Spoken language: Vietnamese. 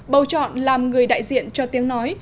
bầu chọn làm người đại diện cho tiếng nói